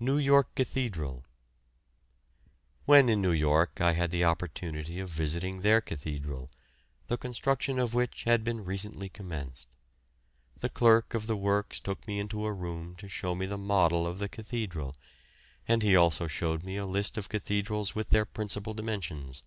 NEW YORK CATHEDRAL. When in New York I had the opportunity of visiting their cathedral, the construction of which had been recently commenced. The clerk of the works took me into a room to show me the model of the cathedral, and he also showed me a list of cathedrals with their principal dimensions.